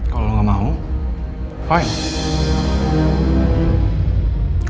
kalau lu gak mau fine